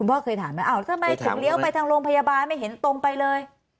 อ่าวทำไมถึงเลี้ยวในลงพยาบาลไม่เห็นตรงไปเลย